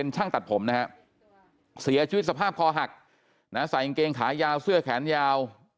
ช่างตัดผมนะฮะเสียชีวิตสภาพคอหักใส่กางเกงขายาวเสื้อแขนยาว